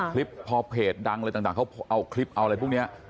คลิปพอเพจดังอะไรต่างเขาเอาคลิปเอาอะไรพวกนี้